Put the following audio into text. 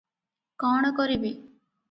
କଣ କରିବି?